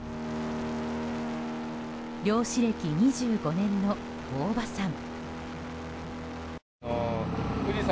漁師歴２５年の大場さん。